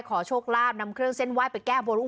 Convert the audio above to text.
ขอโชคลาภนำเครื่องเส้นไหว้ไปแก้บน